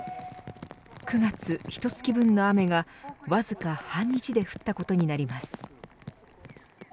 ９月ひと月分の雨がわずか半日で降ったことになります。